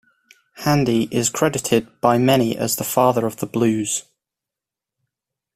Handy is credited by many as the father of the Blues.